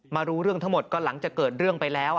รู้เรื่องทั้งหมดก็หลังจากเกิดเรื่องไปแล้ว